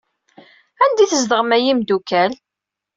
Anda i tzedɣem a imeddukal?